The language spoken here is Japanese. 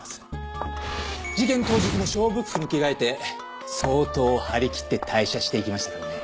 事件当日も勝負服に着替えて相当張り切って退社していきましたからね。